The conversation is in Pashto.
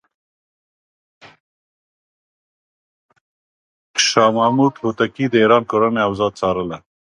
شاه محمود هوتکی د ایران کورنۍ اوضاع څارله.